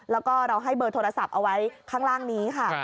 แล้วก็เราให้เบอร์โทรศัพท์เอาไว้ข้างล่างนี้ค่ะ